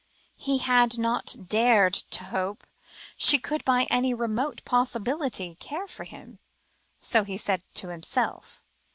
He had not dared to hope she could by any remote possibility care for him, so he said to himself.